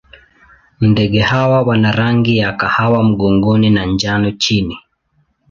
Ndege hawa wana rangi ya kahawa mgongoni na njano chini.